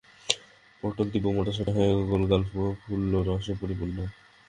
পটল দিব্য মোটাসোটা গোলগাল, প্রফুল্লতার রসে পরিপূর্ণ।